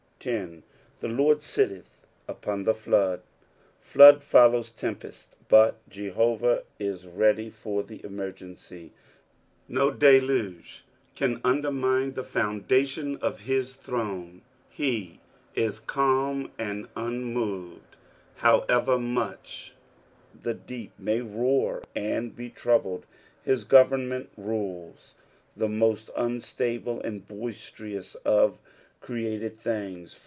10. " The Lord lilleth vpon the feody Flood follows tempest, but Jehovah is ready fur the emergency. No deluge can undermine the fouadatian of his throne. He is calm and unmoved, however much the deep may roar and be troubled : hu government rules the most unstable and boisterous of created things.